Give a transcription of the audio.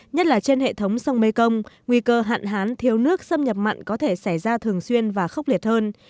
nhất là trên hệ thống sông mê công nguy cơ hạn hán thiếu nước xâm nhập mặn có thể xảy ra thường xuyên và khốc liệt hơn